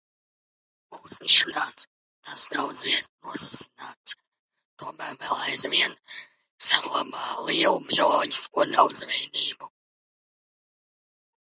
Mūsdienās tas daudzviet nosusināts, tomēr vēl aizvien saglabā lielu bioloģisko daudzveidību.